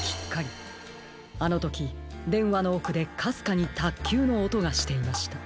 あのときでんわのおくでかすかにたっきゅうのおとがしていました。